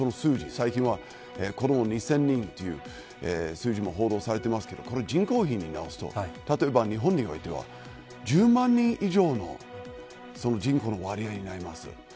最近は子ども２０００人という数字も報道されていますけど人口比にすれば例えば日本においては１０万人以上の人口の割合になります。